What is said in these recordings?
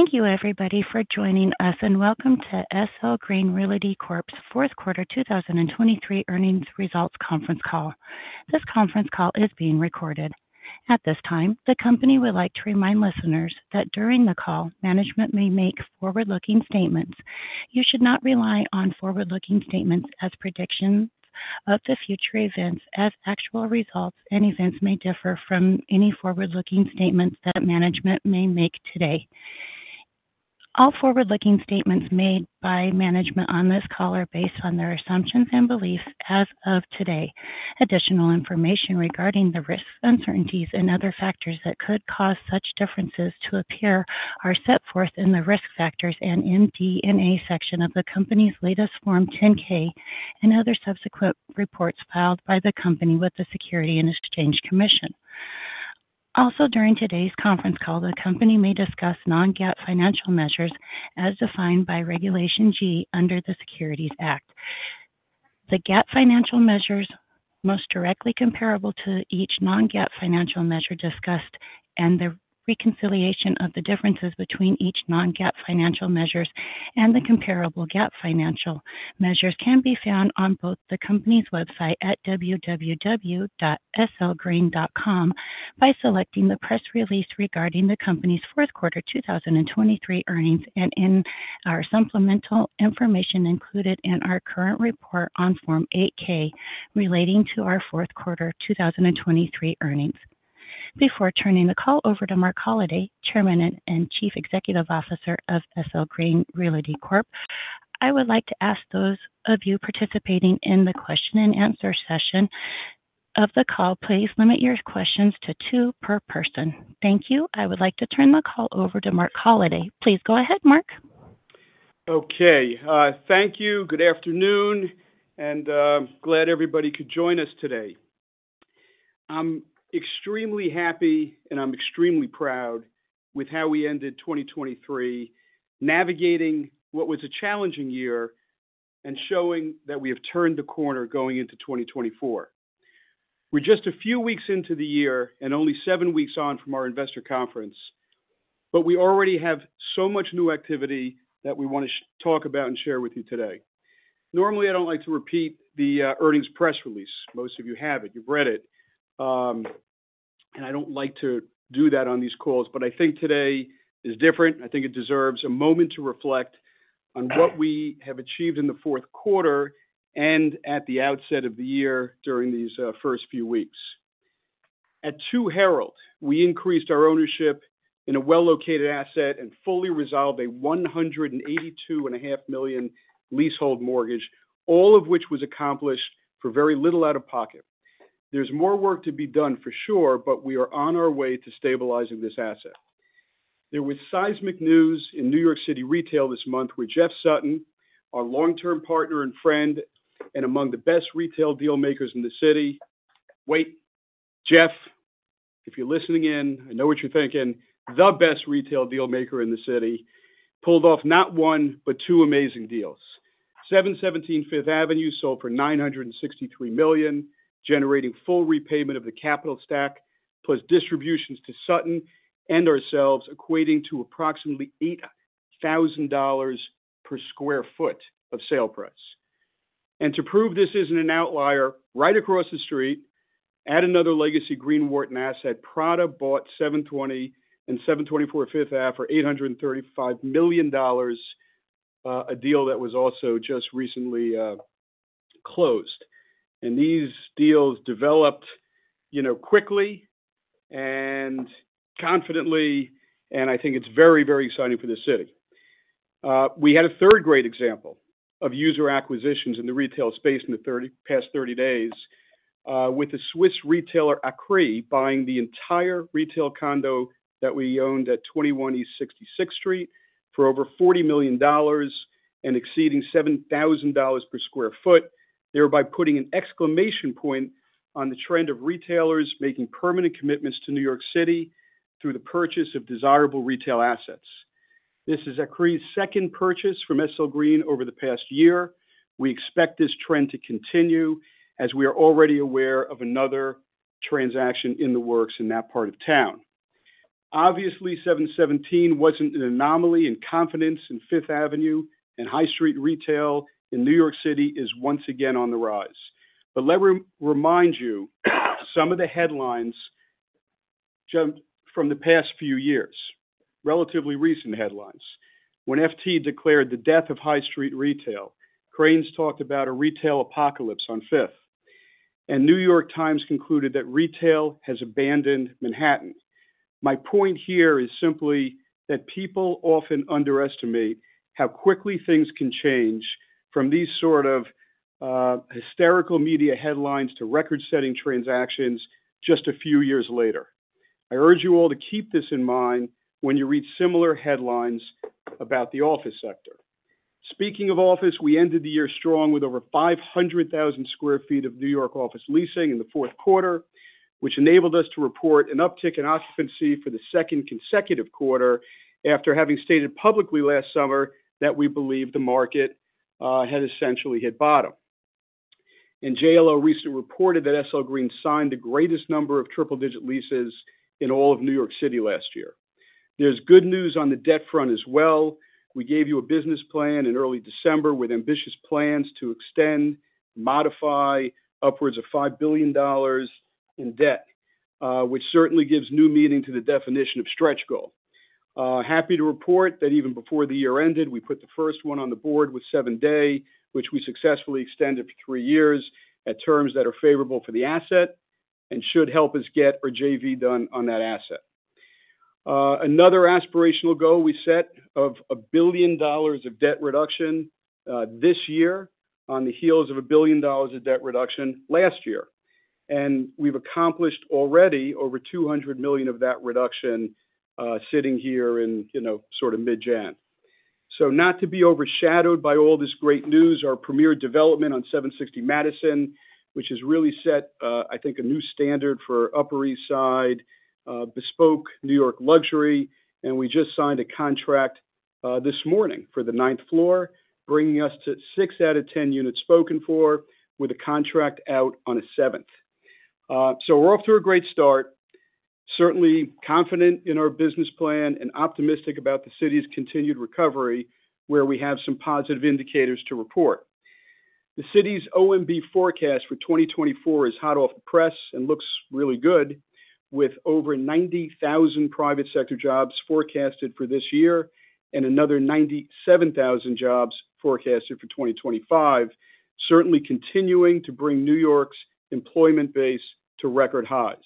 Thank you everybody for joining us, and welcome to SL Green Realty Corp's fourth quarter 2023 earnings results conference call. This conference call is being recorded. At this time, the company would like to remind listeners that during the call, management may make forward-looking statements. You should not rely on forward-looking statements as predictions of the future events, as actual results and events may differ from any forward-looking statements that management may make today. All forward-looking statements made by management on this call are based on their assumptions and beliefs as of today. Additional information regarding the risks, uncertainties, and other factors that could cause such differences to appear are set forth in the Risk Factors and MD&A section of the company's latest Form 10-K and other subsequent reports filed by the company with the Securities and Exchange Commission. Also, during today's conference call, the company may discuss non-GAAP financial measures as defined by Regulation G under the Securities Act. The GAAP financial measures most directly comparable to each non-GAAP financial measure discussed, and the reconciliation of the differences between each non-GAAP financial measures and the comparable GAAP financial measures can be found on both the company's website at www.slgreen.com, by selecting the press release regarding the company's fourth quarter 2023 earnings, and in our supplemental information included in our current report on Form 8-K, relating to our fourth quarter 2023 earnings. Before turning the call over to Marc Holliday, Chairman and Chief Executive Officer of SL Green Realty Corp., I would like to ask those of you participating in the question and answer session of the call, please limit your questions to 2 per person. Thank you. I would like to turn the call over to Marc Holliday. Please go ahead, Marc. Okay, thank you. Good afternoon, and glad everybody could join us today. I'm extremely happy, and I'm extremely proud with how we ended 2023, navigating what was a challenging year and showing that we have turned the corner going into 2024. We're just a few weeks into the year and only seven weeks on from our investor conference, but we already have so much new activity that we want to talk about and share with you today. Normally, I don't like to repeat the earnings press release. Most of you have it, you've read it, and I don't like to do that on these calls, but I think today is different. I think it deserves a moment to reflect on what we have achieved in the fourth quarter and at the outset of the year during these first few weeks. At 2 Herald, we increased our ownership in a well-located asset and fully resolved a $182.5 million leasehold mortgage, all of which was accomplished for very little out-of-pocket. There's more work to be done, for sure, but we are on our way to stabilizing this asset. There was seismic news in New York City retail this month, with Jeff Sutton, our long-term partner and friend, and among the best retail deal makers in the city. Wait, Jeff, if you're listening in, I know what you're thinking. The best retail deal maker in the city pulled off not one, but two amazing deals. 717 Fifth Avenue sold for $963 million, generating full repayment of the capital stack, plus distributions to Sutton and ourselves, equating to approximately $8,000 per sq ft of sale price. To prove this isn't an outlier, right across the street, add another legacy SL Green asset. Prada bought 720 and 724 Fifth Avenue for $835 million, a deal that was also just recently closed. These deals developed, you know, quickly and confidently, and I think it's very, very exciting for the city. We had a third great example of user acquisitions in the retail space in the past 30 days, with the Swiss retailer, Akris, buying the entire retail condo that we owned at 21 East 66th Street for over $40 million and exceeding $7,000 per sq ft, thereby putting an exclamation point on the trend of retailers making permanent commitments to New York City through the purchase of desirable retail assets. This is Akris' second purchase from SL Green over the past year. We expect this trend to continue as we are already aware of another transaction in the works in that part of town. Obviously, 717 wasn't an anomaly in confidence, and Fifth Avenue and high street retail in New York City is once again on the rise. But let me remind you, some of the headlines, just from the past few years, relatively recent headlines. When FT declared the death of high street retail, Crain's talked about a retail apocalypse on Fifth, and New York Times concluded that retail has abandoned Manhattan. My point here is simply that people often underestimate how quickly things can change from these sort of hysterical media headlines to record-setting transactions just a few years later. I urge you all to keep this in mind when you read similar headlines about the office sector. Speaking of office, we ended the year strong with over 500,000 sq ft of New York office leasing in the fourth quarter, which enabled us to report an uptick in occupancy for the second consecutive quarter, after having stated publicly last summer that we believe the market had essentially hit bottom. JLL recently reported that SL Green signed the greatest number of triple-digit leases in all of New York City last year. There's good news on the debt front as well. We gave you a business plan in early December with ambitious plans to extend, modify upwards of $5 billion in debt, which certainly gives new meaning to the definition of stretch goal. Happy to report that even before the year ended, we put the first one on the board with 7 Dey, which we successfully extended for three years, at terms that are favorable for the asset and should help us get our JV done on that asset. Another aspirational goal we set of $1 billion of debt reduction this year on the heels of $1 billion of debt reduction last year, and we've accomplished already over $200 million of that reduction, sitting here in, you know, sort of mid-January. So not to be overshadowed by all this great news, our premier development on 760 Madison Avenue, which has really set, I think, a new standard for Upper East Side, bespoke New York luxury, and we just signed a contract this morning for the ninth floor, bringing us to 6 out of 10 units spoken for with a contract out on a seventh. So we're off to a great start, certainly confident in our business plan and optimistic about the city's continued recovery, where we have some positive indicators to report. The city's OMB forecast for 2024 is hot off the press and looks really good, with over 90,000 private sector jobs forecasted for this year and another 97,000 jobs forecasted for 2025, certainly continuing to bring New York's employment base to record highs.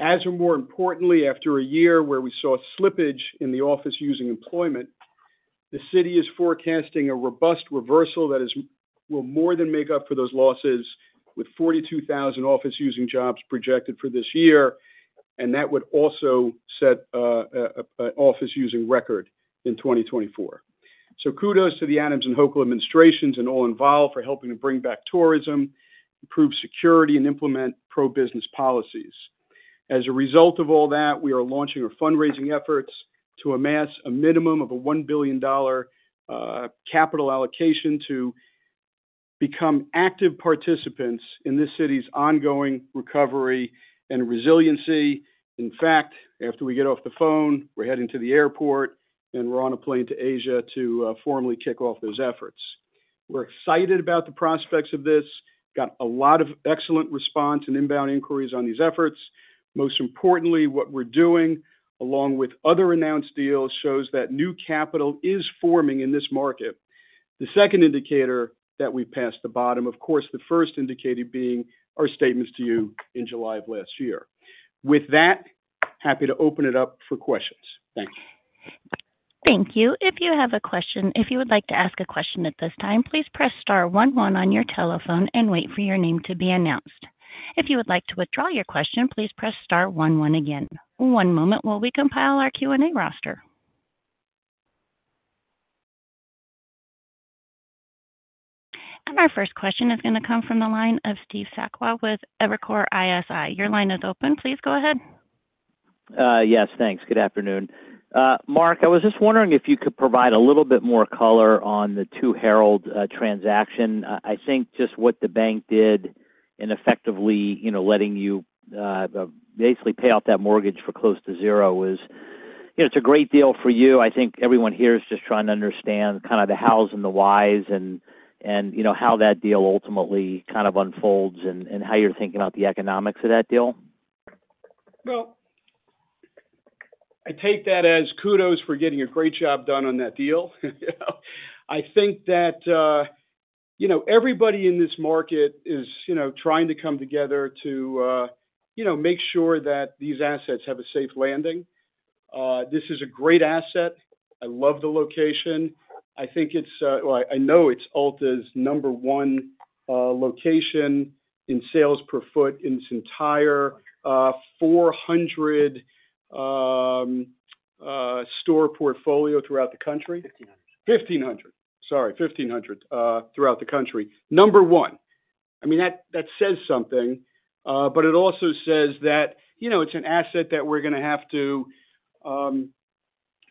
As, more importantly, after a year where we saw slippage in the office-using employment, the city is forecasting a robust reversal that will more than make up for those losses, with 42,000 office-using jobs projected for this year, and that would also set an office-using record in 2024. So kudos to the Adams and Hochul administrations and all involved for helping to bring back tourism, improve security, and implement pro-business policies. As a result of all that, we are launching our fundraising efforts to amass a minimum of a $1 billion capital allocation to become active participants in this city's ongoing recovery and resiliency. In fact, after we get off the phone, we're heading to the airport, and we're on a plane to Asia to formally kick off those efforts. We're excited about the prospects of this. Got a lot of excellent response and inbound inquiries on these efforts. Most importantly, what we're doing, along with other announced deals, shows that new capital is forming in this market. The second indicator that we passed the bottom, of course, the first indicator being our statements to you in July of last year. With that, happy to open it up for questions. Thank you. Thank you. If you have a question, if you would like to ask a question at this time, please press star one one on your telephone and wait for your name to be announced. If you would like to withdraw your question, please press star one one again. One moment while we compile our Q&A roster. Our first question is going to come from the line of Steve Sakwa with Evercore ISI. Your line is open. Please go ahead. Yes, thanks. Good afternoon. Marc, I was just wondering if you could provide a little bit more color on the Two Herald transaction. I think just what the bank did in effectively, you know, letting you basically pay off that mortgage for close to zero is... You know, it's a great deal for you. I think everyone here is just trying to understand kind of the hows and the whys and, you know, how that deal ultimately kind of unfolds and how you're thinking about the economics of that deal. Well, I take that as kudos for getting a great job done on that deal. I think that, you know, everybody in this market is, you know, trying to come together to, you know, make sure that these assets have a safe landing. This is a great asset. I love the location. I think it's, well, I know it's Ulta's number one location in sales per foot in its entire 400-store portfolio throughout the country. 1,500. 1,500. Sorry, 1,500 throughout the country. Number one, I mean, that, that says something, but it also says that, you know, it's an asset that we're gonna have to,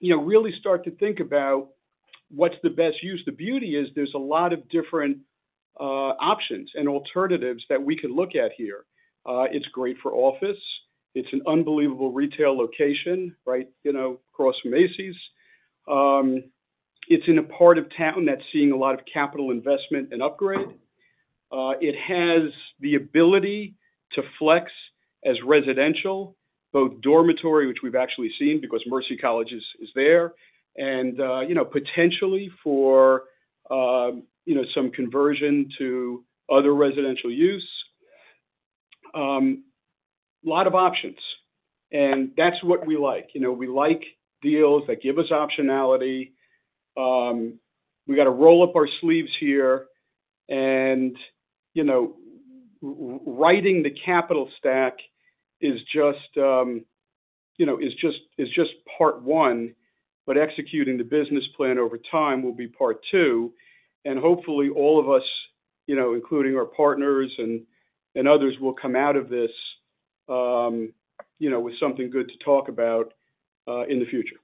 you know, really start to think about what's the best use. The beauty is there's a lot of different options and alternatives that we could look at here. It's great for office. It's an unbelievable retail location, right, you know, across Macy's. It's in a part of town that's seeing a lot of capital investment and upgrade. It has the ability to flex as residential, both dormitory, which we've actually seen because Mercy College is, is there, and, you know, potentially for, you know, some conversion to other residential use. A lot of options, and that's what we like. You know, we like deals that give us optionality. We got to roll up our sleeves here, and, you know, writing the capital stack is just part one, but executing the business plan over time will be part two. And hopefully, all of us, you know, including our partners and others, will come out of this with something good to talk about in the future. ...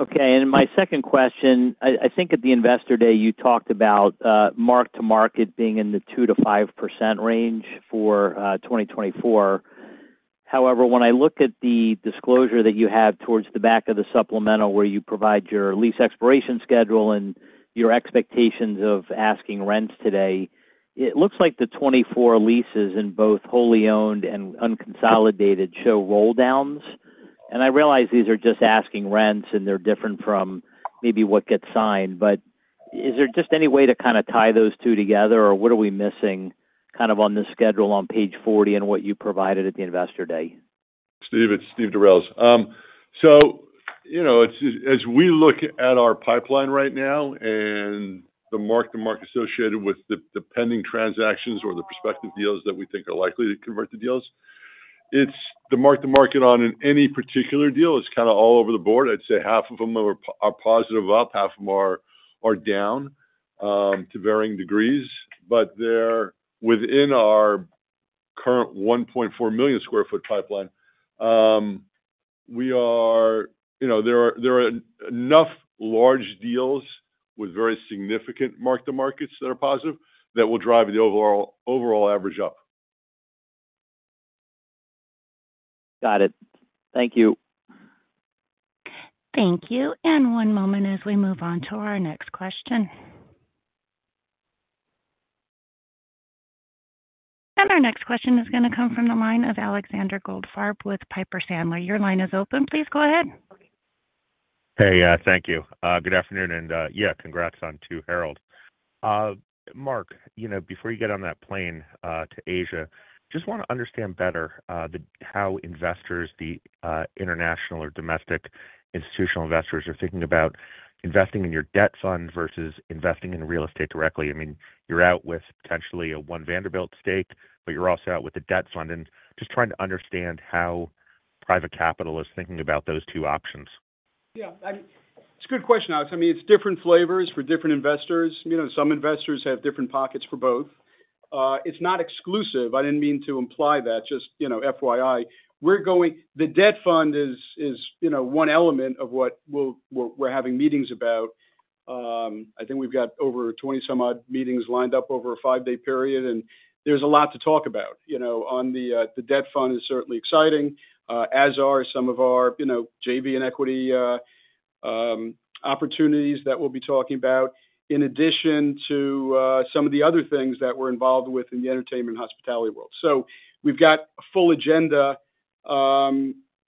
Okay, and my second question, I think at the Investor Day, you talked about mark-to-market being in the 2%-5% range for 2024. However, when I look at the disclosure that you have towards the back of the supplemental, where you provide your lease expiration schedule and your expectations of asking rents today, it looks like the 2024 leases in both wholly owned and unconsolidated show roll downs. And I realize these are just asking rents, and they're different from maybe what gets signed. But is there just any way to kind of tie those two together, or what are we missing, kind of, on this schedule on page 40 and what you provided at the Investor Day? Steve, it's Steven Durels. So, you know, as we look at our pipeline right now and the mark-to-market associated with the pending transactions or the prospective deals that we think are likely to convert to deals, it's the mark-to-market on any particular deal is kind of all over the board. I'd say half of them are positive up, half of them are down, to varying degrees. But they're within our current 1.4 million sq ft pipeline. You know, there are enough large deals with very significant mark-to-markets that are positive, that will drive the overall average up. Got it. Thank you. Thank you. One moment as we move on to our next question. Our next question is going to come from the line of Alexander Goldfarb with Piper Sandler. Your line is open. Please, go ahead. Hey, thank you. Good afternoon, and, yeah, congrats on Two Herald. Marc, you know, before you get on that plane to Asia, just want to understand better how investors, the international or domestic institutional investors are thinking about investing in your debt fund versus investing in real estate directly. I mean, you're out with potentially a One Vanderbilt stake, but you're also out with a debt fund. And just trying to understand how private capital is thinking about those two options. Yeah, it's a good question, Alex. I mean, it's different flavors for different investors. You know, some investors have different pockets for both. It's not exclusive. I didn't mean to imply that, just, you know, FYI. We're going. The debt fund is, you know, one element of what we're having meetings about. I think we've got over 20 some odd meetings lined up over a 5-day period, and there's a lot to talk about. You know, on the, the debt fund is certainly exciting, as are some of our, you know, JV and equity opportunities that we'll be talking about, in addition to, some of the other things that we're involved with in the entertainment and hospitality world. So we've got a full agenda.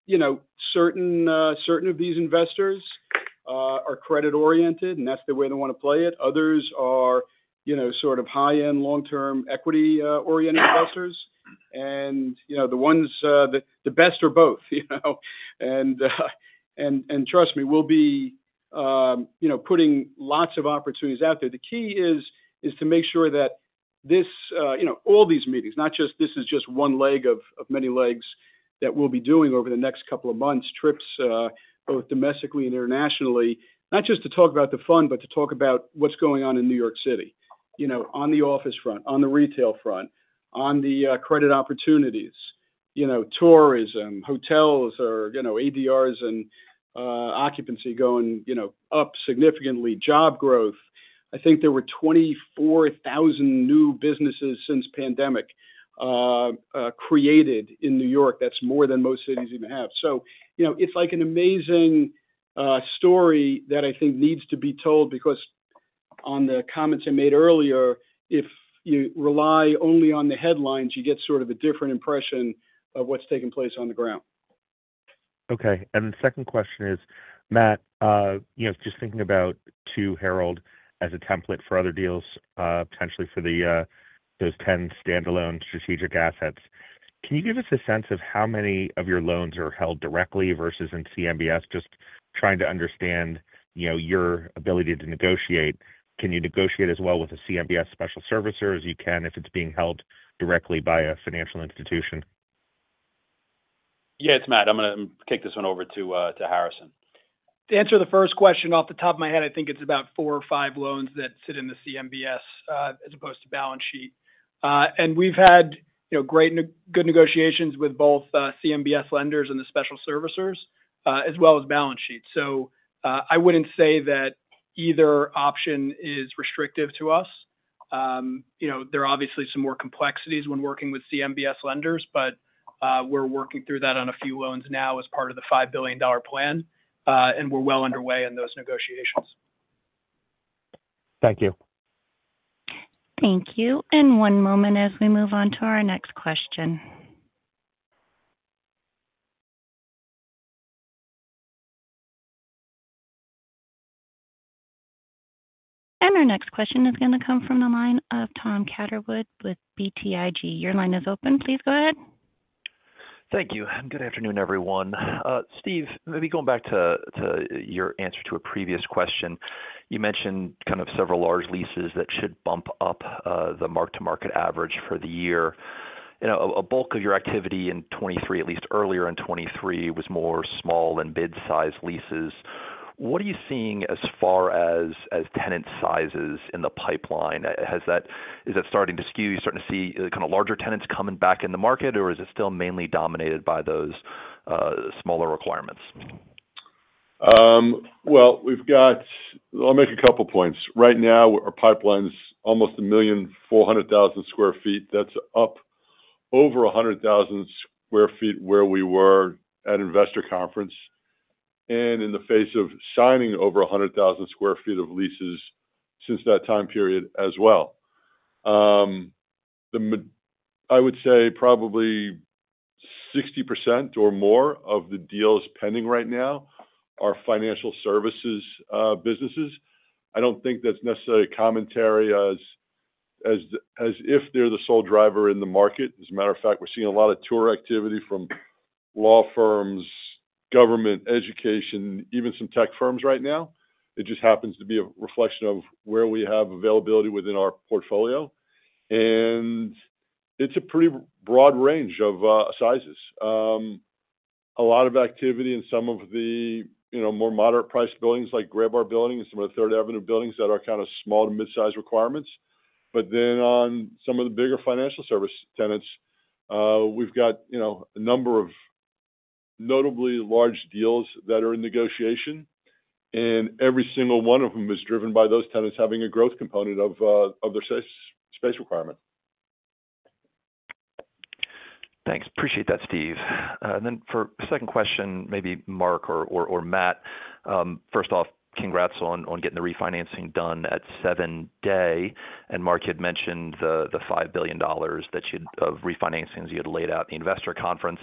You know, certain of these investors are credit-oriented, and that's the way they want to play it. Others are, you know, sort of high-end, long-term, equity oriented investors. And, you know, the ones, the best are both, you know? And trust me, we'll be, you know, putting lots of opportunities out there. The key is to make sure that this, you know, all these meetings, not just this, is just one leg of many legs that we'll be doing over the next couple of months. Trips, both domestically and internationally, not just to talk about the fund, but to talk about what's going on in New York City. You know, on the office front, on the retail front, on the credit opportunities, you know, tourism, hotels, or, you know, ADRs and occupancy going, you know, up significantly, job growth. I think there were 24,000 new businesses since pandemic created in New York. That's more than most cities even have. So, you know, it's like an amazing story that I think needs to be told, because on the comments I made earlier, if you rely only on the headlines, you get sort of a different impression of what's taking place on the ground. Okay, and the second question is, Matt, you know, just thinking about Two Herald as a template for other deals, potentially for those 10 standalone strategic assets, can you give us a sense of how many of your loans are held directly versus in CMBS? Just trying to understand, you know, your ability to negotiate. Can you negotiate as well with a CMBS special servicer as you can if it's being held directly by a financial institution? Yeah, it's Matt. I'm going to kick this one over to, to Harrison. To answer the first question, off the top of my head, I think it's about four or five loans that sit in the CMBS, as opposed to balance sheet. And we've had, you know, good negotiations with both, CMBS lenders and the special servicers, as well as balance sheet. So, I wouldn't say that either option is restrictive to us. You know, there are obviously some more complexities when working with CMBS lenders, but, we're working through that on a few loans now as part of the $5 billion plan, and we're well underway in those negotiations. Thank you. Thank you. And one moment as we move on to our next question. And our next question is going to come from the line of Tom Catherwood with BTIG. Your line is open. Please go ahead. Thank you, and good afternoon, everyone. Steve, maybe going back to your answer to a previous question, you mentioned kind of several large leases that should bump up the mark-to-market average for the year. You know, a bulk of your activity in 2023, at least earlier in 2023, was more small and mid-sized leases. What are you seeing as far as tenant sizes in the pipeline? Has that— Is that starting to skew? You're starting to see kind of larger tenants coming back in the market, or is it still mainly dominated by those smaller requirements?... Well, we've got. I'll make a couple points. Right now, our pipeline is almost 1,400,000 sq ft. That's up over 100,000 sq ft where we were at investor conference, and in the face of signing over 100,000 sq ft of leases since that time period as well. I would say probably 60% or more of the deals pending right now are financial services businesses. I don't think that's necessarily a commentary as if they're the sole driver in the market. As a matter of fact, we're seeing a lot of tour activity from law firms, government, education, even some tech firms right now. It just happens to be a reflection of where we have availability within our portfolio, and it's a pretty broad range of sizes. A lot of activity in some of the, you know, more moderate-priced buildings, like Graybar Building and some of the Third Avenue buildings that are kind of small to mid-size requirements. But then on some of the bigger financial service tenants, we've got, you know, a number of notably large deals that are in negotiation, and every single one of them is driven by those tenants having a growth component of their space requirement. Thanks. Appreciate that, Steve. For second question, maybe Marc or Matt. First off, congrats on getting the refinancing done at One Vanderbilt. Marc, you'd mentioned the $5 billion of refinancings you had laid out in the investor conference.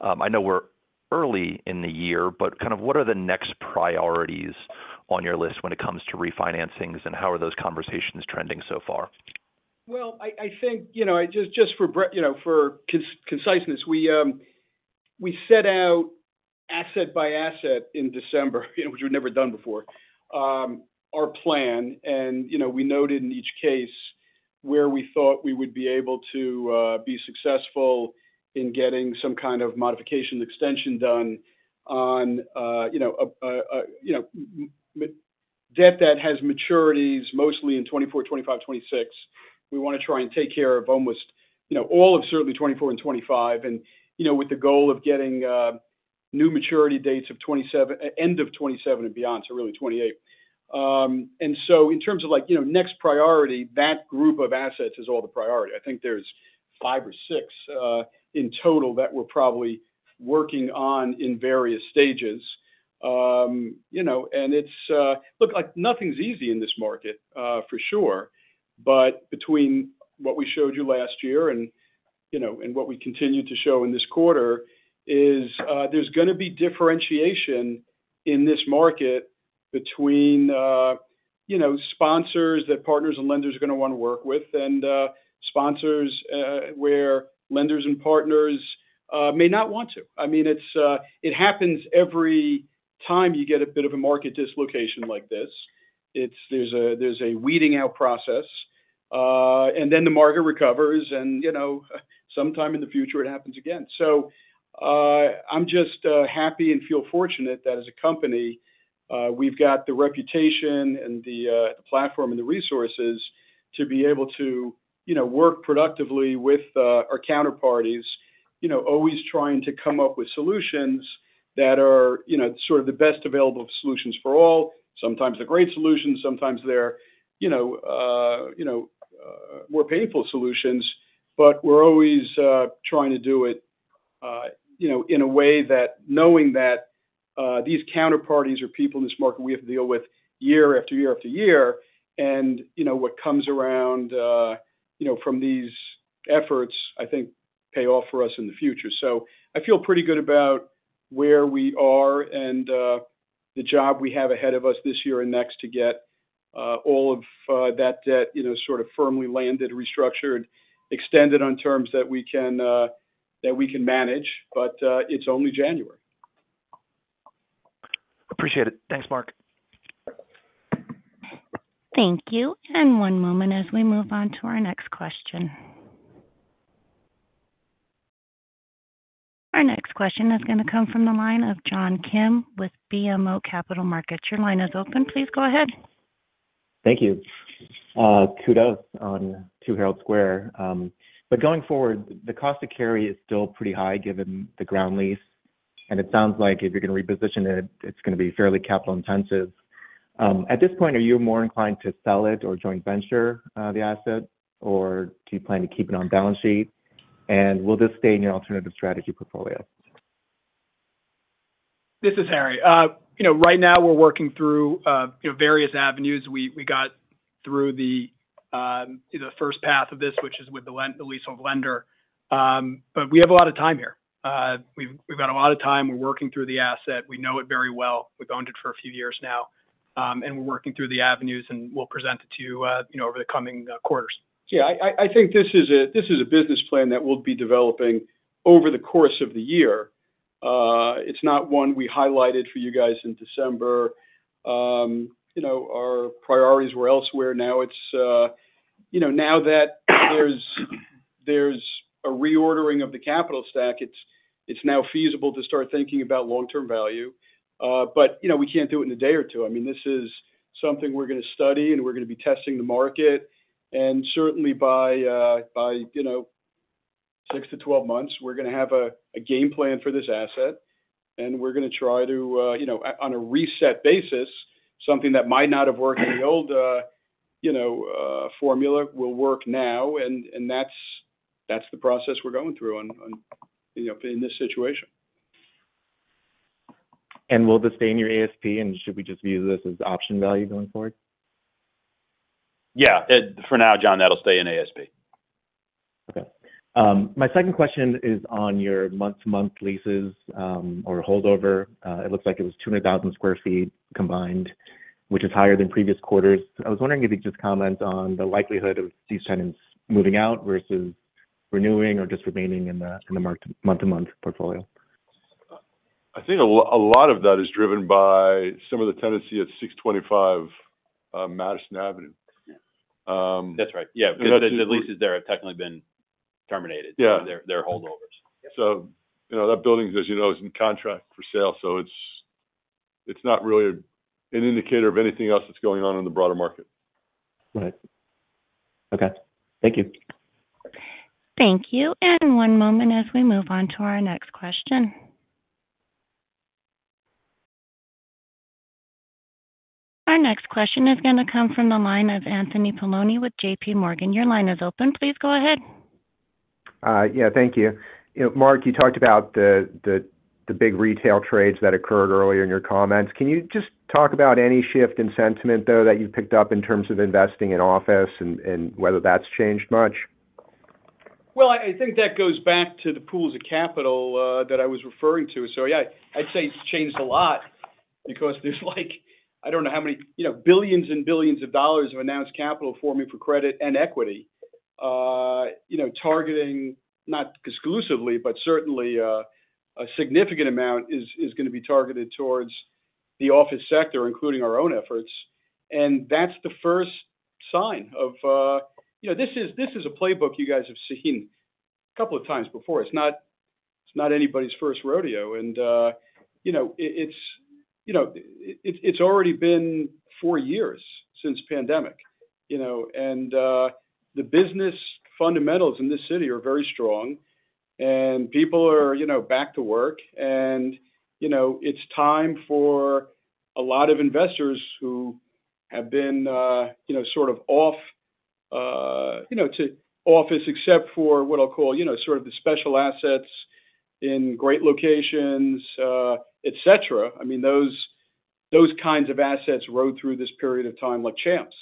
I know we're early in the year, but kind of what are the next priorities on your list when it comes to refinancings, and how are those conversations trending so far? Well, I think, you know, just for brevity, you know, for conciseness, we set out asset by asset in December, you know, which we've never done before, our plan. And, you know, we noted in each case where we thought we would be able to be successful in getting some kind of modification extension done on, you know, debt that has maturities mostly in 2024, 2025, 2026. We want to try and take care of almost, you know, all of certainly 2024 and 2025, and, you know, with the goal of getting new maturity dates of 2027, end of 2027 and beyond, so really 2028. And so in terms of like, you know, next priority, that group of assets is all the priority. I think there's 5 or 6 in total that we're probably working on in various stages. You know, and it's, look, like nothing's easy in this market, for sure, but between what we showed you last year and, you know, and what we continue to show in this quarter, is, there's gonna be differentiation in this market between, you know, sponsors that partners and lenders are gonna want to work with, and, sponsors, where lenders and partners, may not want to. I mean, it's, it happens every time you get a bit of a market dislocation like this. It's-- There's a, there's a weeding out process, and then the market recovers and, you know, sometime in the future, it happens again. So, I'm just happy and feel fortunate that as a company, we've got the reputation and the platform and the resources to be able to, you know, work productively with our counterparties. You know, always trying to come up with solutions that are, you know, sort of the best available solutions for all. Sometimes they're great solutions, sometimes they're, you know, you know, you know, more painful solutions, but we're always trying to do it, you know, in a way that knowing that these counterparties are people in this market we have to deal with year after year after year, and, you know, what comes around, you know, from these efforts, I think pay off for us in the future. So I feel pretty good about where we are and, the job we have ahead of us this year and next to get, all of, that debt, you know, sort of firmly landed, restructured, extended on terms that we can, that we can manage. But, it's only January. Appreciate it. Thanks, Marc. Thank you. One moment as we move on to our next question. Our next question is gonna come from the line of John Kim with BMO Capital Markets. Your line is open. Please go ahead. Thank you. Kudos on Two Herald Square. But going forward, the cost to carry is still pretty high given the ground lease, and it sounds like if you're going to reposition it, it's gonna be fairly capital intensive. At this point, are you more inclined to sell it or joint venture the asset, or do you plan to keep it on balance sheet? And will this stay in your Alternative Strategy Portfolio? This is Harry. You know, right now we're working through various avenues. We got through the first path of this, which is with the leasehold lender. But we have a lot of time here. We've got a lot of time. We're working through the asset. We know it very well. We've owned it for a few years now. And we're working through the avenues, and we'll present it to you, you know, over the coming quarters. Yeah, I think this is a business plan that we'll be developing over the course of the year. It's not one we highlighted for you guys in December. You know, our priorities were elsewhere. Now it's, you know, now that there's a reordering of the capital stack, it's now feasible to start thinking about long-term value. But, you know, we can't do it in a day or two. I mean, this is something we're gonna study, and we're gonna be testing the market. And certainly by, by, you know-... 6-12 months, we're gonna have a game plan for this asset, and we're gonna try to, you know, on a reset basis, something that might not have worked in the old, you know, formula, will work now, and that's the process we're going through on, you know, in this situation. Will this stay in your ASP, and should we just view this as option value going forward? Yeah, for now, John, that'll stay in ASP. Okay. My second question is on your month-to-month leases, or holdover. It looks like it was 200,000 sq ft combined, which is higher than previous quarters. I was wondering if you could just comment on the likelihood of these tenants moving out versus renewing or just remaining in the, in the month-to-month portfolio? I think a lot of that is driven by some of the tenancy at 625 Madison Avenue. That's right. Yeah, the leases there have technically been terminated. Yeah. They're holdovers. So, you know, that building, as you know, is in contract for sale, so it's not really an indicator of anything else that's going on in the broader market. Right. Okay, thank you. Thank you. And one moment as we move on to our next question. Our next question is gonna come from the line of Anthony Paolone with JP Morgan. Your line is open. Please go ahead. Yeah, thank you. You know, Marc, you talked about the big retail trades that occurred earlier in your comments. Can you just talk about any shift in sentiment, though, that you've picked up in terms of investing in office and whether that's changed much? Well, I think that goes back to the pools of capital that I was referring to. So yeah, I'd say it's changed a lot because there's like, I don't know how many, you know, billions and billions of dollars of announced capital forming for credit and equity. You know, targeting, not exclusively, but certainly a significant amount is gonna be targeted towards the office sector, including our own efforts. And that's the first sign of... You know, this is a playbook you guys have seen a couple of times before. It's not anybody's first rodeo, and you know, it's already been 4 years since pandemic, you know, and the business fundamentals in this city are very strong, and people are, you know, back to work, and, you know, it's time for a lot of investors who have been, you know, sort of off, you know, to office, except for what I'll call, you know, sort of the special assets in great locations, et cetera. I mean, those kinds of assets rode through this period of time like champs.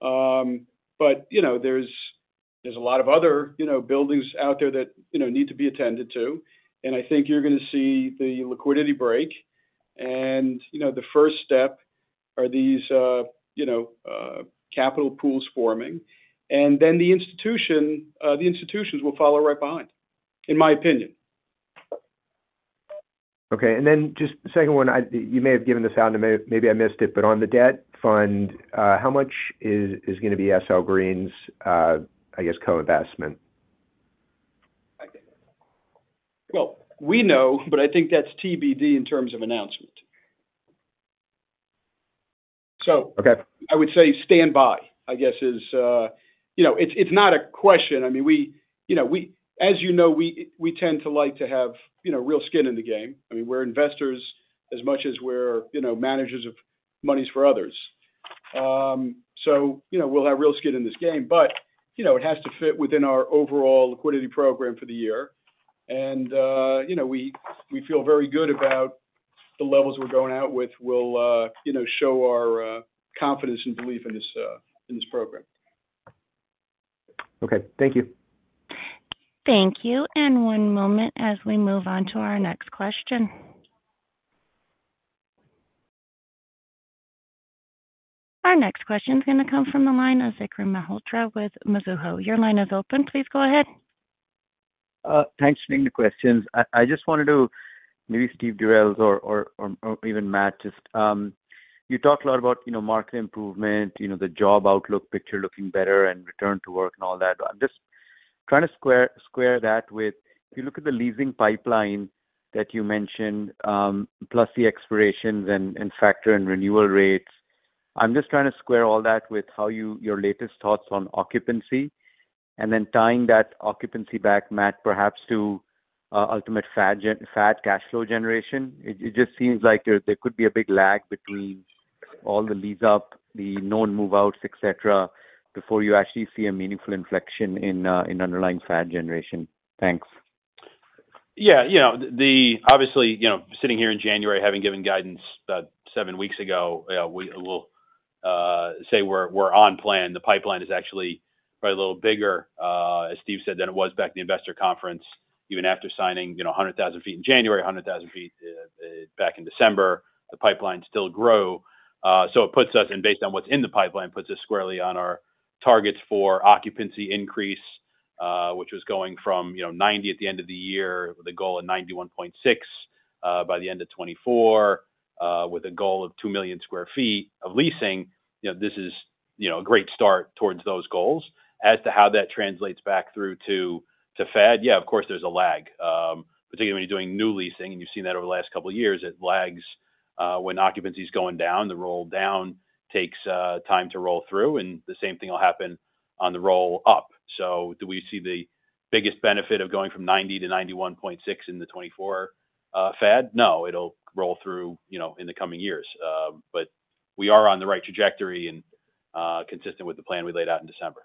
But, you know, there's a lot of other, you know, buildings out there that, you know, need to be attended to, and I think you're gonna see the liquidity break. You know, the first step are these, you know, capital pools forming, and then the institutions will follow right behind, in my opinion. Okay. And then just the second one, I, you may have given this out, and maybe I missed it, but on the debt fund, how much is gonna be SL Green's, I guess, co-investment? Well, we know, but I think that's TBD in terms of announcement. So- Okay. I would say stand by, I guess, is. You know, it's, it's not a question. I mean, we, you know, we, as you know, we, we tend to like to have, you know, real skin in the game. I mean, we're investors as much as we're, you know, managers of monies for others. So, you know, we'll have real skin in this game, but, you know, it has to fit within our overall liquidity program for the year. And, you know, we, we feel very good about the levels we're going out with, will, you know, show our, confidence and belief in this, in this program. Okay, thank you. Thank you. And one moment as we move on to our next question. Our next question is gonna come from the line of Zach Silverberg with Mizuho. Your line is open. Please go ahead. Thanks for taking the questions. I just wanted to maybe Steve Durels or even Matt, just you talked a lot about, you know, market improvement, you know, the job outlook picture looking better and return to work and all that. I'm just trying to square that with, if you look at the leasing pipeline that you mentioned, plus the expirations and factor and renewal rates, I'm just trying to square all that with your latest thoughts on occupancy, and then tying that occupancy back, Matt, perhaps to ultimate FAD cash flow generation. It just seems like there could be a big lag between all the leads up, the known move-outs, et cetera, before you actually see a meaningful inflection in underlying FAD generation. Thanks. Yeah, you know, the, obviously, you know, sitting here in January, having given guidance about seven weeks ago, we will say we're on plan. The pipeline is actually probably a little bigger, as Steve said, than it was back in the investor conference, even after signing, you know, 100,000 sq ft in January, 100,000 sq ft back in December, the pipeline still grow. So it puts us, and based on what's in the pipeline, puts us squarely on our targets for occupancy increase, which was going from, you know, 90% at the end of the year, with a goal of 91.6%, by the end of 2024, with a goal of 2 million sq ft of leasing. You know, this is, you know, a great start towards those goals. As to how that translates back through to FAD, yeah, of course, there's a lag. Particularly when you're doing new leasing, and you've seen that over the last couple of years, it lags-... when occupancy is going down, the roll down takes time to roll through, and the same thing will happen on the roll up. So do we see the biggest benefit of going from 90 to 91.6 in the 2024 FFO? No, it'll roll through, you know, in the coming years. But we are on the right trajectory and consistent with the plan we laid out in December.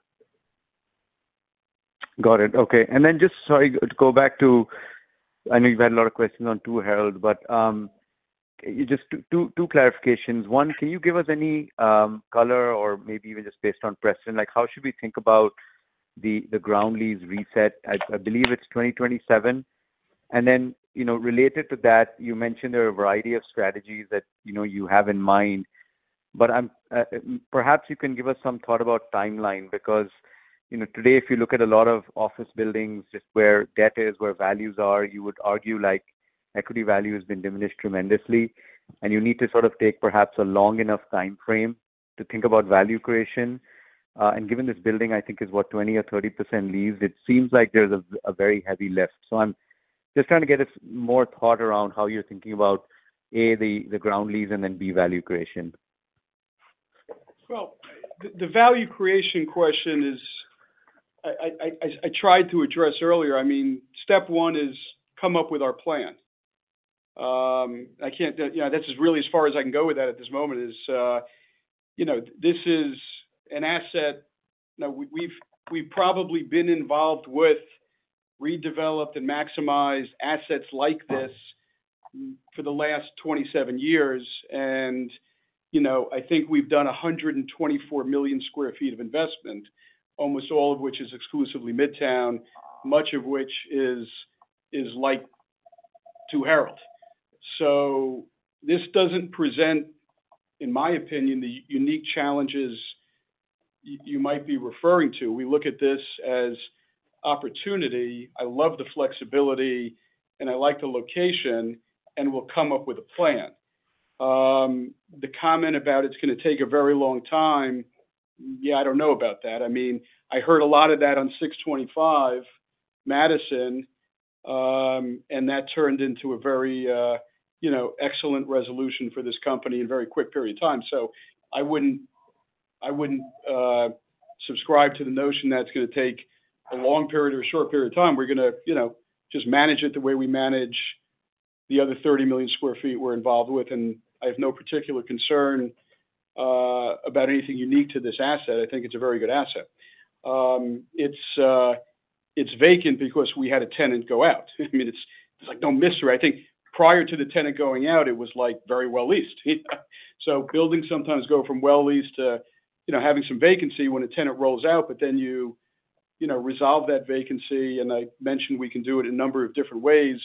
Got it. Okay. And then just so I go back to, I know you've had a lot of questions on Two Herald, but you just two, two clarifications. One, can you give us any color or maybe even just based on precedent, like how should we think about the ground lease reset? I believe it's 2027. And then, you know, related to that, you mentioned there are a variety of strategies that, you know, you have in mind, but I'm... Perhaps you can give us some thought about timeline, because, you know, today, if you look at a lot of office buildings, just where debt is, where values are, you would argue, like, equity value has been diminished tremendously, and you need to sort of take perhaps a long enough time frame to think about value creation. Given this building, I think is what, 20% or 30% leased, it seems like there's a very heavy lift. I'm just trying to get a more thought around how you're thinking about A, the ground lease and then B, value creation. Well, the value creation question is, I tried to address earlier. I mean, step one is come up with our plan. I can't, you know, that's just really as far as I can go with that at this moment, is, you know, this is an asset, now, we've probably been involved with redevelop and maximize assets like this for the last 27 years. And, you know, I think we've done 124 million sq ft of investment, almost all of which is exclusively Midtown, much of which is like Two Herald. So this doesn't present, in my opinion, the unique challenges you might be referring to. We look at this as opportunity. I love the flexibility, and I like the location, and we'll come up with a plan. The comment about it's gonna take a very long time, yeah, I don't know about that. I mean, I heard a lot of that on 625 Madison, and that turned into a very, you know, excellent resolution for this company in a very quick period of time. So I wouldn't, I wouldn't, subscribe to the notion that it's gonna take a long period or a short period of time. We're gonna, you know, just manage it the way we manage the other 30 million sq ft we're involved with, and I have no particular concern, about anything unique to this asset. I think it's a very good asset. It's, it's vacant because we had a tenant go out. I mean, it's, it's like no mystery. I think prior to the tenant going out, it was, like, very well leased. So buildings sometimes go from well leased to, you know, having some vacancy when a tenant rolls out, but then you, you know, resolve that vacancy, and I mentioned we can do it a number of different ways,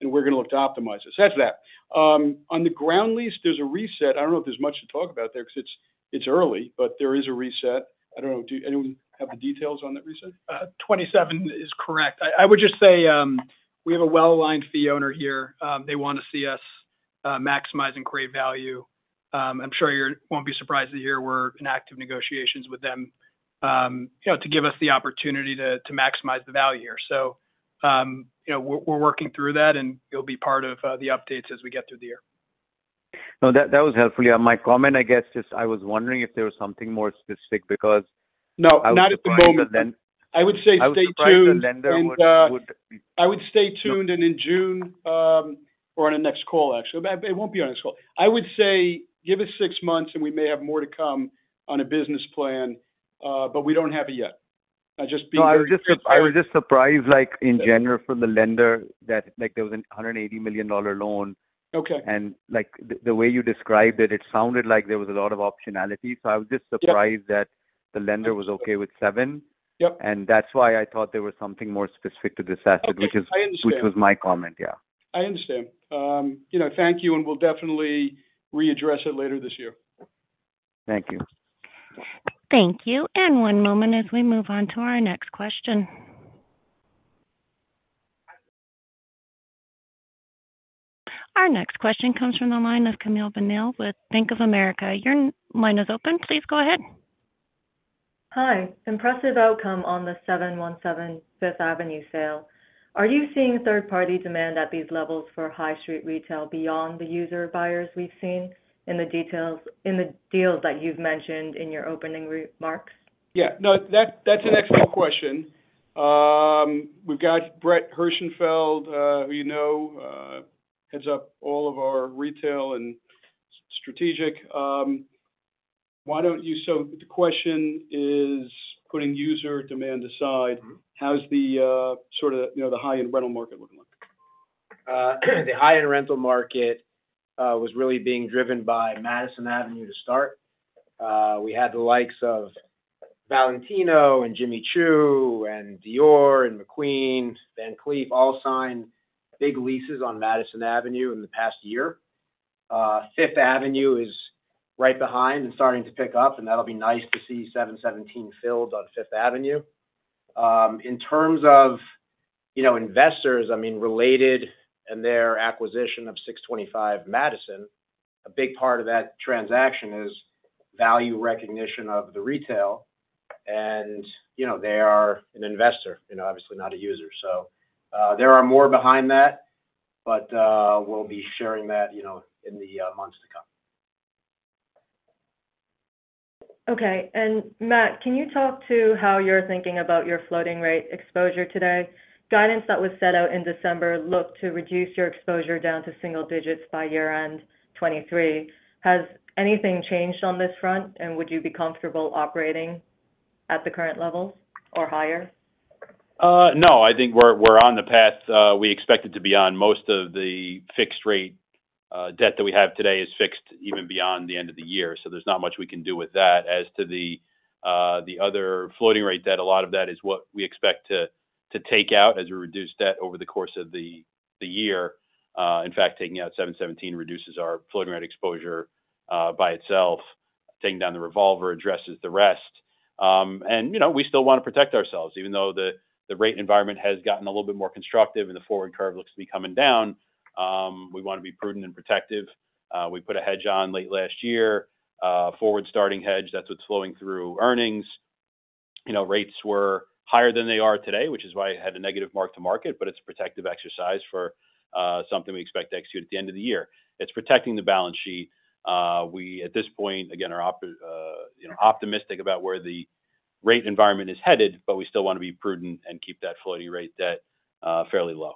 and we're gonna look to optimize this. That's that. On the ground lease, there's a reset. I don't know if there's much to talk about there because it's early, but there is a reset. I don't know, do anyone have the details on that reset? 27 is correct. I would just say we have a well-aligned fee owner here. They want to see us maximize and create value. I'm sure you won't be surprised to hear we're in active negotiations with them, you know, to give us the opportunity to maximize the value here. So, you know, we're working through that, and it'll be part of the updates as we get through the year. No, that, that was helpful. Yeah, my comment, I guess, just I was wondering if there was something more specific, because- No, not at the moment. I was surprised the lender- I would say stay tuned- I was surprised the lender would. I would stay tuned, and in June, or on the next call, actually, it won't be on this call. I would say give us six months, and we may have more to come on a business plan, but we don't have it yet. Just be- No, I was just, I was just surprised, like, in general from the lender, that, like, there was a $180 million loan. Okay. And like, the way you described it, it sounded like there was a lot of optionality. So I was just surprised- Yeah... that the lender was okay with seven. Yep. That's why I thought there was something more specific to this asset- Okay, I understand.... which was my comment, yeah. I understand. You know, thank you, and we'll definitely readdress it later this year. Thank you. Thank you. One moment as we move on to our next question. Our next question comes from the line of Camille Bonnell with Bank of America. Your line is open. Please go ahead. Hi. Impressive outcome on the 717 Fifth Avenue sale. Are you seeing third-party demand at these levels for high street retail beyond the user buyers we've seen in the deals that you've mentioned in your opening remarks? Yeah. No, that's, that's an excellent question. We've got Brett Herschenfeld, who you know, heads up all of our retail and strategic. Why don't you... So the question is, putting user demand aside, how's the sort of, you know, the high-end rental market looking like? The high-end rental market was really being driven by Madison Avenue to start. We had the likes of Valentino and Jimmy Choo and Dior and McQueen, Van Cleef, all sign big leases on Madison Avenue in the past year. Fifth Avenue is right behind and starting to pick up, and that'll be nice to see 717 filled on Fifth Avenue. In terms of, you know, investors, I mean, Related and their acquisition of 625 Madison, a big part of that transaction is value recognition of the retail.... and, you know, they are an investor, you know, obviously not a user. So, there are more behind that, but, we'll be sharing that, you know, in the, months to come. Okay. And Matt, can you talk to how you're thinking about your floating rate exposure today? Guidance that was set out in December looked to reduce your exposure down to single digits by year-end 2023. Has anything changed on this front, and would you be comfortable operating at the current levels or higher? No, I think we're on the path we expected to be on. Most of the fixed rate debt that we have today is fixed even beyond the end of the year, so there's not much we can do with that. As to the other floating rate debt, a lot of that is what we expect to take out as we reduce debt over the course of the year. In fact, taking out 717 reduces our floating rate exposure by itself. Taking down the revolver addresses the rest. And, you know, we still wanna protect ourselves. Even though the rate environment has gotten a little bit more constructive and the forward curve looks to be coming down, we wanna be prudent and protective. We put a hedge on late last year, forward starting hedge, that's what's flowing through earnings. You know, rates were higher than they are today, which is why it had a negative mark-to-market, but it's a protective exercise for something we expect to execute at the end of the year. It's protecting the balance sheet. We, at this point, again, are optimistic about where the rate environment is headed, but we still wanna be prudent and keep that floating rate debt fairly low.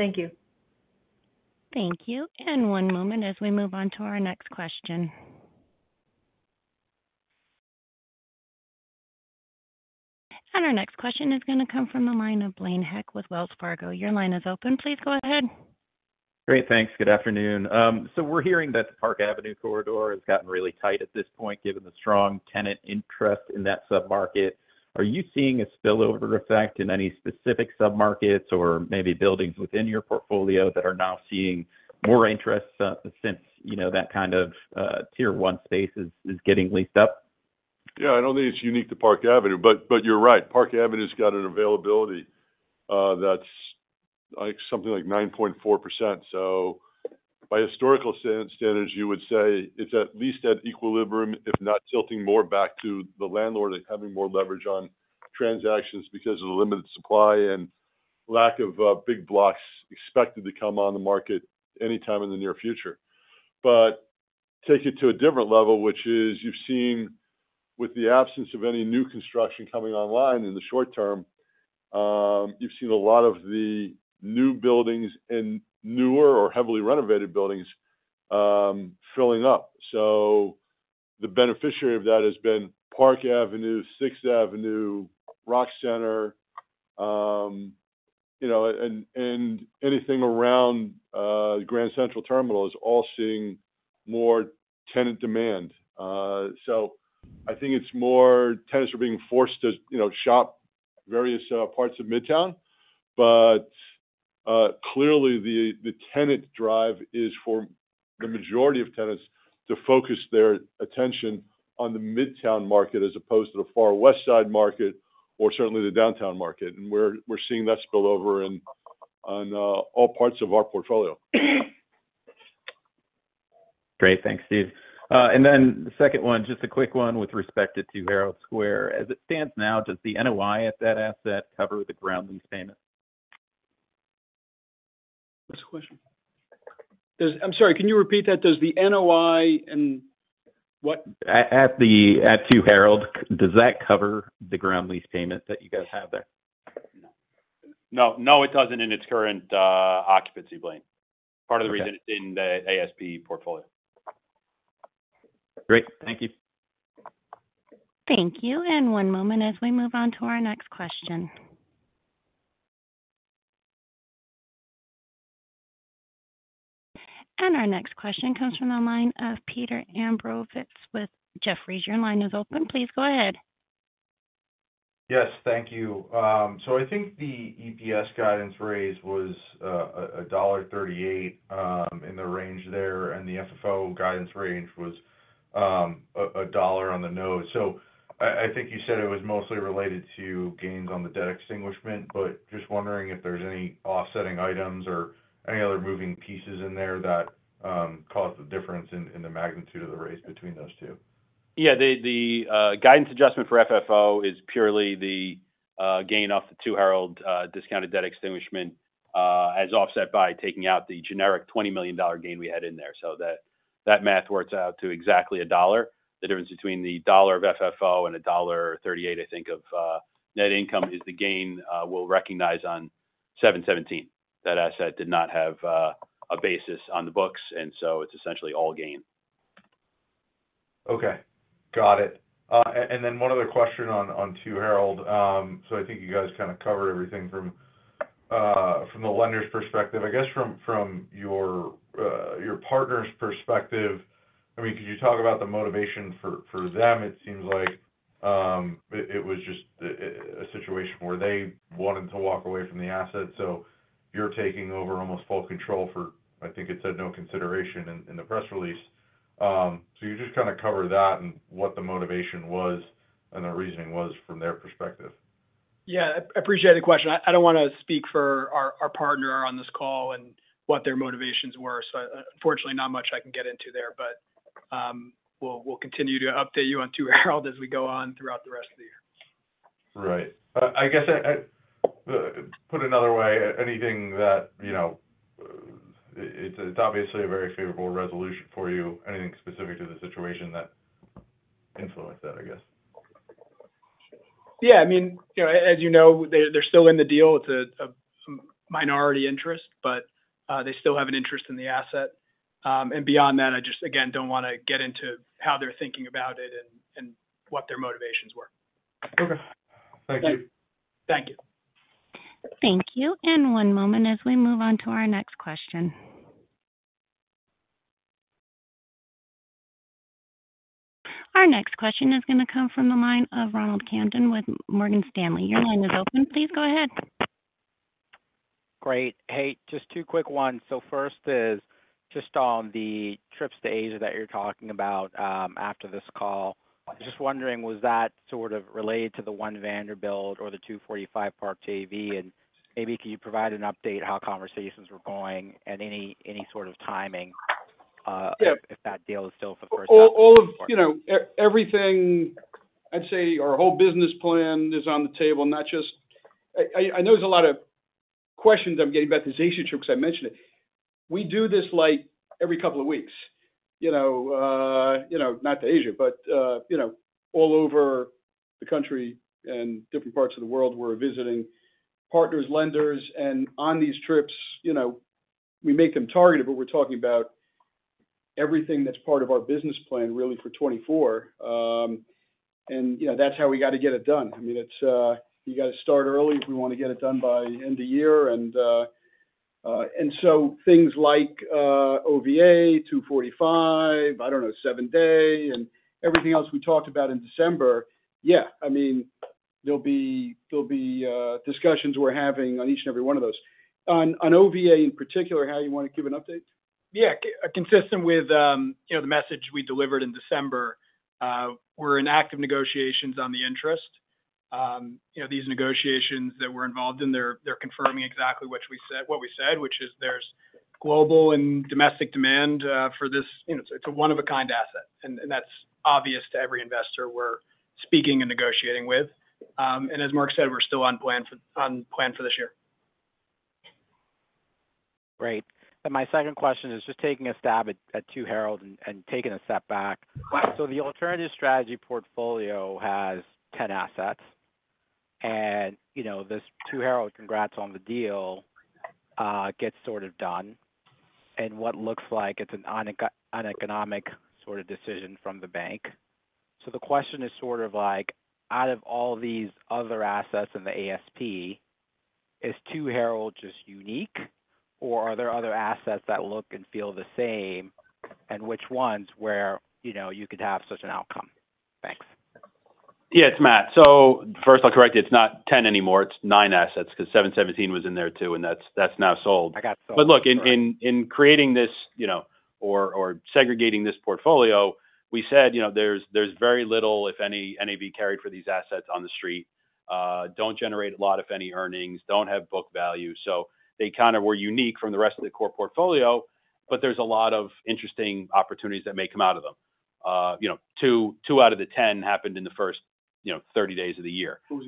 Thank you. Thank you. One moment as we move on to our next question. Our next question is gonna come from the line of Blaine Heck with Wells Fargo. Your line is open. Please go ahead. Great. Thanks. Good afternoon. So we're hearing that the Park Avenue corridor has gotten really tight at this point, given the strong tenant interest in that submarket. Are you seeing a spillover effect in any specific submarkets or maybe buildings within your portfolio that are now seeing more interest, since, you know, that kind of tier one space is getting leased up? Yeah, I don't think it's unique to Park Avenue, but you're right. Park Avenue's got an availability that's like something like 9.4%. So by historical standards, you would say it's at least at equilibrium, if not tilting more back to the landlord and having more leverage on transactions because of the limited supply and lack of big blocks expected to come on the market anytime in the near future. But take it to a different level, which is you've seen with the absence of any new construction coming online in the short term, you've seen a lot of the new buildings and newer or heavily renovated buildings filling up. So the beneficiary of that has been Park Avenue, Sixth Avenue, Rock Center, you know, and anything around Grand Central Terminal is all seeing more tenant demand. So, I think it's more tenants are being forced to, you know, shop various parts of Midtown, but clearly, the tenant drive is for the majority of tenants to focus their attention on the Midtown market, as opposed to the Far West Side market or certainly the downtown market. And we're seeing that spill over in on all parts of our portfolio. Great. Thanks, Steve. And then the second one, just a quick one with respect to Two Herald Square. As it stands now, does the NOI at that asset cover the ground lease payment? What's the question? Does- I'm sorry, can you repeat that? Does the NOI and what- At the Two Herald Square, does that cover the ground lease payment that you guys have there? No. No, it doesn't in its current occupancy, Blaine. Okay. Part of the reason it's in the ASP portfolio. Great. Thank you. Thank you, and one moment as we move on to our next question. Our next question comes from the line of Peter Abramowitz with Jefferies. Your line is open. Please go ahead. Yes, thank you. So I think the EPS guidance raise was $1.38 in the range there, and the FFO guidance range was $1 on the nose. So I think you said it was mostly related to gains on the debt extinguishment, but just wondering if there's any offsetting items or any other moving pieces in there that caused the difference in the magnitude of the raise between those two? Yeah, the guidance adjustment for FFO is purely the gain off the Two Herald discounted debt extinguishment as offset by taking out the generic $20 million gain we had in there. So that math works out to exactly $1. The difference between the $1 of FFO and $1.38, I think, of net income is the gain we'll recognize on seven seventeen. That asset did not have a basis on the books, and so it's essentially all gain. Okay, got it. And then one other question on Two Herald. So I think you guys kind of covered everything from the lender's perspective. I guess from your partner's perspective, I mean, could you talk about the motivation for them? It seems like it was just a situation where they wanted to walk away from the asset, so you're taking over almost full control for, I think it said, no consideration in the press release. So you just kind of cover that and what the motivation was and the reasoning was from their perspective.... Yeah, I appreciate the question. I don't wanna speak for our partner on this call and what their motivations were, so unfortunately, not much I can get into there. But, we'll continue to update you on Two Herald as we go on throughout the rest of the year. Right. I guess, put another way, anything that, you know, it's obviously a very favorable resolution for you. Anything specific to the situation that influenced that, I guess? Yeah, I mean, you know, as you know, they're still in the deal. It's a minority interest, but they still have an interest in the asset. And beyond that, I just, again, don't wanna get into how they're thinking about it and what their motivations were. Okay. Thank you. Thank you. Thank you. One moment as we move on to our next question. Our next question is gonna come from the line of Ronald Kamdem with Morgan Stanley. Your line is open. Please go ahead. Great. Hey, just two quick ones. So first is, just on the trips to Asia that you're talking about, after this call. Just wondering, was that sort of related to the One Vanderbilt or the 245 Park Avenue? And maybe can you provide an update how conversations were going and any, any sort of timing, Yeah If that deal is still for the first time? All of you know everything. I'd say our whole business plan is on the table, not just—I know there's a lot of questions I'm getting about this Asia trip because I mentioned it. We do this, like, every couple of weeks, you know, not to Asia, but, you know, all over the country and different parts of the world. We're visiting partners, lenders, and on these trips, you know, we make them targeted, but we're talking about everything that's part of our business plan, really for 2024. You know, that's how we got to get it done. I mean, it's, you got to start early if we want to get it done by end of year. And so things like OVA, 245, I don't know, 711, and everything else we talked about in December, yeah, I mean, there'll be, there'll be discussions we're having on each and every one of those. On OVA in particular, how you wanna give an update? Yeah. Consistent with, you know, the message we delivered in December, we're in active negotiations on the interest. You know, these negotiations that we're involved in, they're, they're confirming exactly what we said, what we said, which is there's global and domestic demand, for this, you know, it's a one-of-a-kind asset, and, and that's obvious to every investor we're speaking and negotiating with. And as Marc said, we're still on plan for, on plan for this year. Great. My second question is just taking a stab at Two Herald and taking a step back. The Alternative Strategy Portfolio has 10 assets, and, you know, this Two Herald, congrats on the deal, gets sort of done in what looks like it's an uneconomic sort of decision from the bank. The question is sort of like, out of all these other assets in the ASP, is Two Herald just unique, or are there other assets that look and feel the same, and which ones where, you know, you could have such an outcome? Thanks. Yeah, it's Matt. So first, I'll correct it. It's not 10 anymore, it's 9 assets, because 717 was in there, too, and that's, that's now sold. I got sold. But look, in creating this, you know, or segregating this portfolio, we said, you know, there's very little, if any, NAV carried for these assets on the street. They don't generate a lot, if any, earnings, don't have book value. So they kind of were unique from the rest of the core portfolio, but there's a lot of interesting opportunities that may come out of them. You know, 2 out of the 10 happened in the first, you know, 30 days of the year. It was,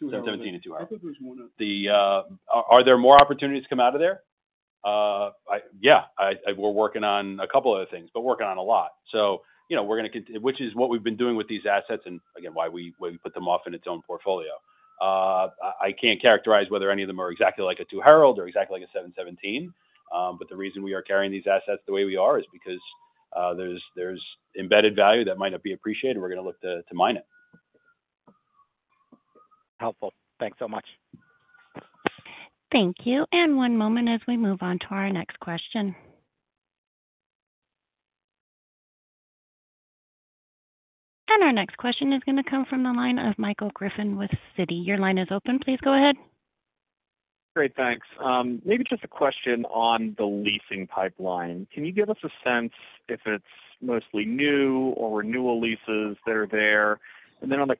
717 and 2 Herald. I think there was one... Are there more opportunities to come out of there? Yeah, we're working on a couple other things, but working on a lot. So, you know, we're gonna—which is what we've been doing with these assets, and again, why we put them off in its own portfolio. I can't characterize whether any of them are exactly like a Two Herald or exactly like a 717, but the reason we are carrying these assets the way we are is because there's embedded value that might not be appreciated, and we're gonna look to mine it. Helpful. Thanks so much. Thank you, and one moment as we move on to our next question. Our next question is gonna come from the line of Michael Griffin with Citi. Your line is open. Please go ahead. Great, thanks. Maybe just a question on the leasing pipeline. Can you give us a sense if it's mostly new or renewal leases that are there? And then on the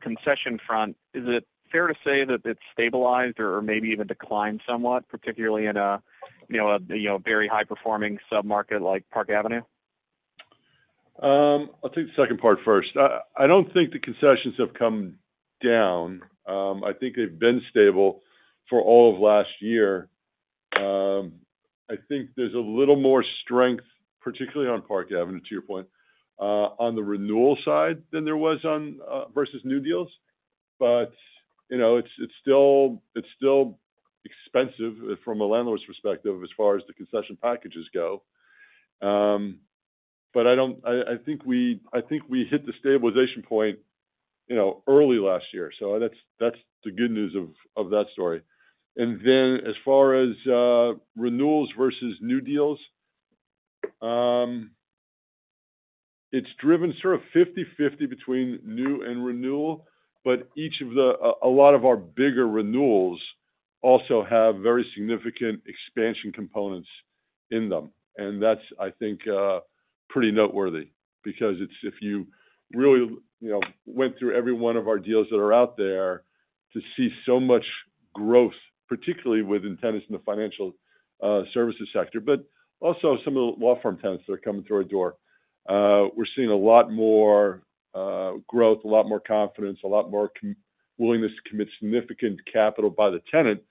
concession front, is it fair to say that it's stabilized or maybe even declined somewhat, particularly in a, you know, very high-performing sub-market like Park Avenue? I'll take the second part first. I don't think the concessions have come down. I think they've been stable for all of last year. I think there's a little more strength, particularly on Park Avenue, to your point, on the renewal side than there was versus new deals. But, you know, it's still expensive from a landlord's perspective as far as the concession packages go. But I think we hit the stabilization point, you know, early last year, so that's the good news of that story. And then as far as renewals versus new deals, it's driven sort of 50/50 between new and renewal, but each of a lot of our bigger renewals also have very significant expansion components in them. That's, I think, pretty noteworthy, because it's, if you really, you know, went through every one of our deals that are out there, to see so much growth, particularly within tenants in the financial, services sector, but also some of the law firm tenants that are coming through our door. We're seeing a lot more growth, a lot more confidence, a lot more willingness to commit significant capital by the tenant,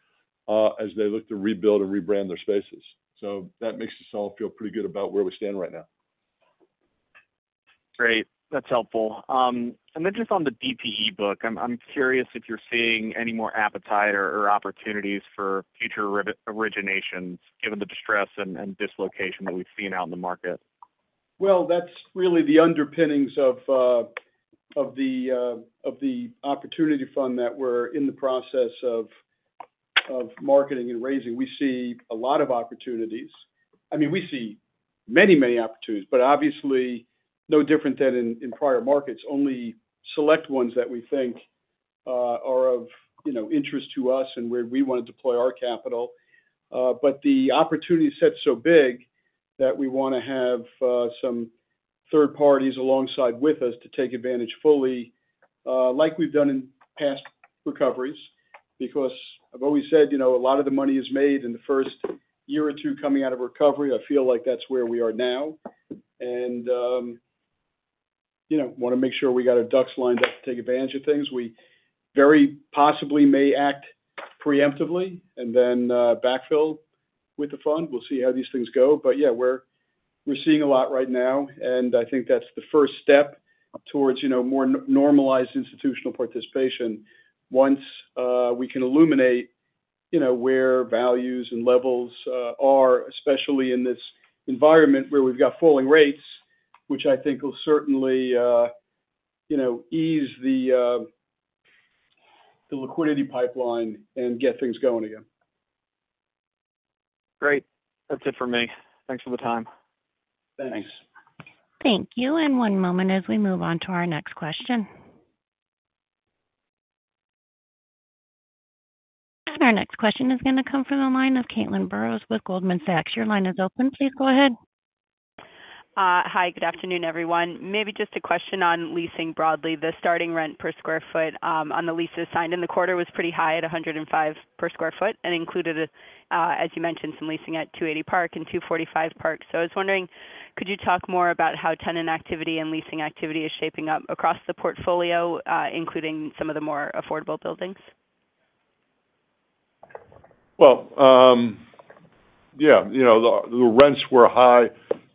as they look to rebuild and rebrand their spaces. So that makes us all feel pretty good about where we stand right now. Great. That's helpful. And then just on the DPE book, I'm curious if you're seeing any more appetite or opportunities for future originations, given the distress and dislocation that we've seen out in the market? Well, that's really the underpinnings of the Opportunity Fund that we're in the process of marketing and raising. We see a lot of opportunities. I mean, we see many, many opportunities, but obviously, no different than in prior markets, only select ones that we think are of, you know, interest to us and where we want to deploy our capital. But the opportunity set's so big that we wanna have some third parties alongside with us to take advantage fully, like we've done in past recoveries. Because I've always said, you know, a lot of the money is made in the first year or two coming out of recovery. I feel like that's where we are now. You know, wanna make sure we got our ducks lined up to take advantage of things. We very possibly may act preemptively and then backfill with the fund. We'll see how these things go. But yeah, we're seeing a lot right now, and I think that's the first step towards, you know, more normalized institutional participation once we can illuminate, you know, where values and levels are, especially in this environment where we've got falling rates, which I think will certainly, you know, ease the liquidity pipeline and get things going again. Great. That's it for me. Thanks for the time. Thanks. Thank you, and one moment as we move on to our next question. Our next question is gonna come from the line of Caitlin Burrows with Goldman Sachs. Your line is open. Please go ahead. Hi, good afternoon, everyone. Maybe just a question on leasing broadly. The starting rent per sq ft on the leases signed in the quarter was pretty high at $105 per sq ft and included, as you mentioned, some leasing at 280 Park and 245 Park. So I was wondering, could you talk more about how tenant activity and leasing activity is shaping up across the portfolio, including some of the more affordable buildings? Well, yeah, you know, the, the rents were high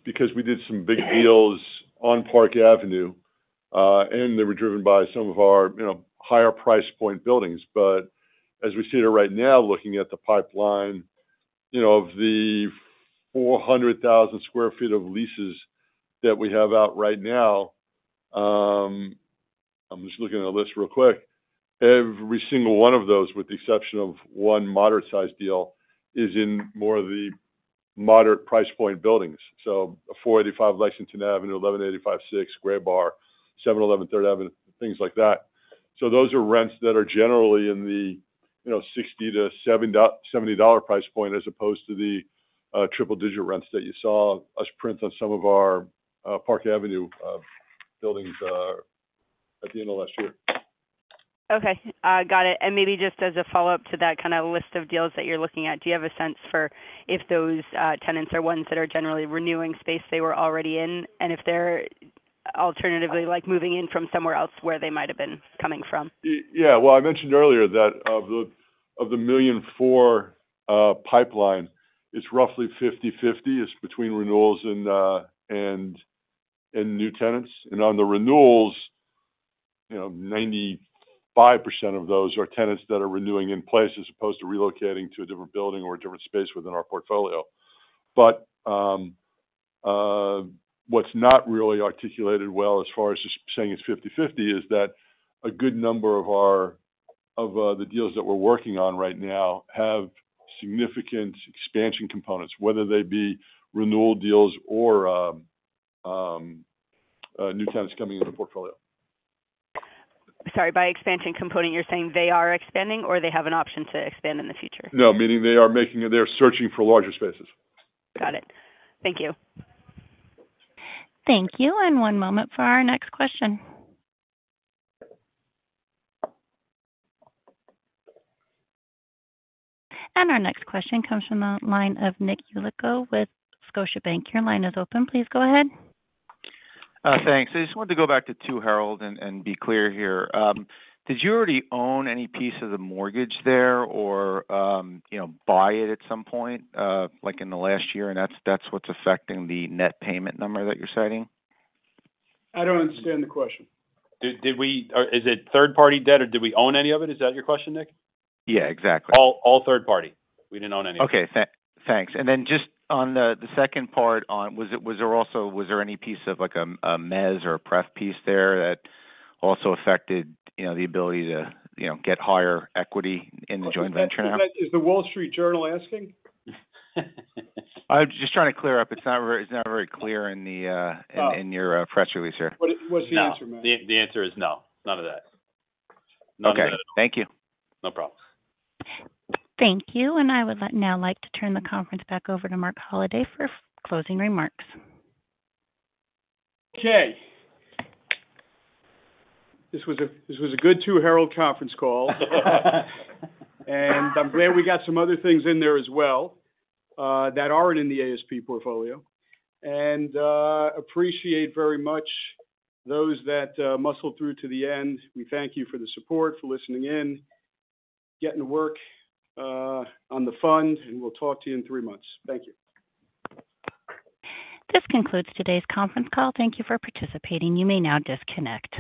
because we did some big deals on Park Avenue, and they were driven by some of our, you know, higher price point buildings. But as we see it right now, looking at the pipeline, you know, of the 400,000 sq ft of leases that we have out right now, I'm just looking at the list real quick. Every single one of those, with the exception of one moderate-sized deal, is in more of the moderate price point buildings. So, 485 Lexington Avenue, 1185 Sixth Avenue, Graybar Building, 711 Third Avenue, things like that. So those are rents that are generally in the, you know, $60-$70 price point, as opposed to the triple-digit rents that you saw us print on some of our Park Avenue buildings at the end of last year. Okay, got it. And maybe just as a follow-up to that kind of list of deals that you're looking at, do you have a sense for if those tenants are ones that are generally renewing space they were already in? And if they're alternatively, like, moving in from somewhere else, where they might have been coming from? Yeah. Well, I mentioned earlier that of the 1.4 million pipeline, it's roughly 50/50. It's between renewals and new tenants. And on the renewals, you know, 95% of those are tenants that are renewing in place as opposed to relocating to a different building or a different space within our portfolio. But what's not really articulated well, as far as just saying it's 50/50, is that a good number of our deals that we're working on right now have significant expansion components, whether they be renewal deals or new tenants coming into the portfolio. Sorry, by expansion component, you're saying they are expanding or they have an option to expand in the future? No, meaning they are making... They're searching for larger spaces. Got it. Thank you. Thank you, and one moment for our next question. Our next question comes from the line of Nick Yulico with Scotiabank. Your line is open. Please go ahead. Thanks. I just wanted to go back to Two Herald and be clear here. Did you already own any piece of the mortgage there or, you know, buy it at some point, like in the last year, and that's what's affecting the net payment number that you're citing? I don't understand the question. Did we, or is it third-party debt, or did we own any of it? Is that your question, Nick? Yeah, exactly. All, all third party. We didn't own any. Okay, thanks. And then just on the second part on—was there also any piece of like a mez or a pref piece there that also affected, you know, the ability to, you know, get higher equity in the joint venture? Is The Wall Street Journal asking? I'm just trying to clear up. It's not very, it's not very clear in the, Oh. in your press release here. What's the answer, Matt? No. The answer is no, none of that. None of that. Okay. Thank you. No problem. Thank you, and I would like now to turn the conference back over to Marc Holliday for closing remarks. Okay. This was a good Two Herald conference call. And I'm glad we got some other things in there as well that aren't in the ASP portfolio. And appreciate very much those that muscled through to the end. We thank you for the support, for listening in, getting to work on the fund, and we'll talk to you in three months. Thank you. This concludes today's conference call. Thank you for participating. You may now disconnect.